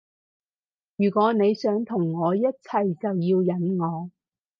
如果你想同我一齊就要忍我